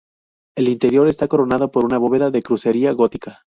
El interior está coronado por una bóveda de crucería gótica.